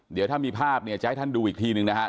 เดี๋ยวถ้ามีภาพเนี่ยจะให้ท่านดูอีกทีหนึ่งนะครับ